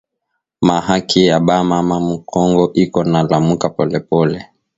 Ma haki ya ba mama mu kongo iko na lamuka pole pole